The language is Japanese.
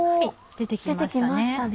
出て来ましたね。